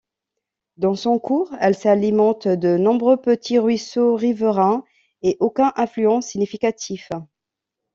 Dans son cours, elle s’alimente de nombreux petits ruisseaux riverains et aucun affluent significatif.